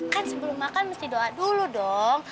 kan sebelum makan mesti doa dulu dong